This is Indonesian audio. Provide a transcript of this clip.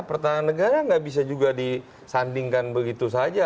pertahanan negara nggak bisa juga disandingkan begitu saja